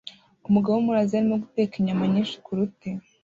Umugabo wo muri Aziya arimo guteka inyama nyinshi kuruti